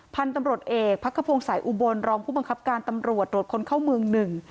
พันธุ์ตำรวจเอกพักขพงศัยอุบลรองผู้บังคับการตำรวจตรวจคนเข้าเมืองหนึ่ง